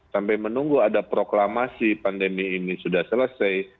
sampai menunggu ada proklamasi pandemi ini sudah selesai